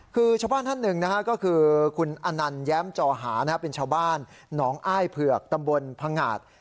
คือชาวบ้านท่านหนึ่งนะฮะก็คือคุณอนันแย้มจอหาเป็นชาวบ้านหนองอ้ายเผือกตำบลพงาด